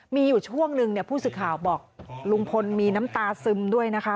มีอยู่ช่วงนึงเนี่ยผู้สื่อข่าวบอกลุงพลมีน้ำตาซึมด้วยนะคะ